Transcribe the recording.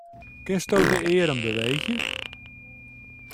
Kinsto de earm beweegje?